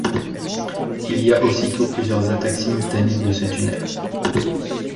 Il y a aussitôt plusieurs attaques simultanées de ce tunnel.